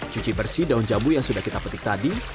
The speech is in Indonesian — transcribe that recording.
cuci bersih daun jambu yang sudah kita petik tadi